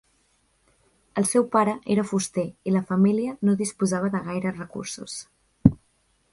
El seu pare era fuster i la família no disposava de gaires recursos.